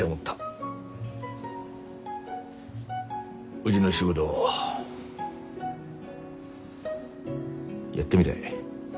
うぢの仕事やってみだい。